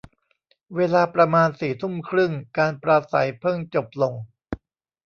เวลาประมาณสี่ทุ่มครึ่ง การปราศรัยเพิ่งจบลง